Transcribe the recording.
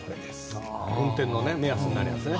運転の目安になるやつね。